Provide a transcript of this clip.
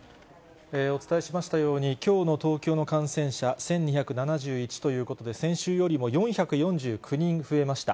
お伝えしましたように、きょうの東京の感染者、１２７１ということで、先週よりも４４９人増えました。